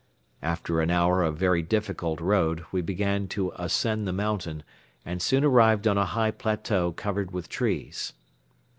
After an hour of very difficult road we began to ascend the mountain and soon arrived on a high plateau covered with trees.